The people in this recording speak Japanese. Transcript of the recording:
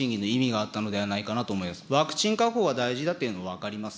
ワクチン確保は大事だというのは分かります。